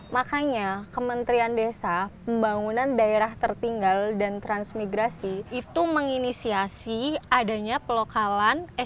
makanya kementerian desa pembangunan daerah tertinggal dan transmigrasi itu menginisiasi adanya pelokalan sdgs ke level desa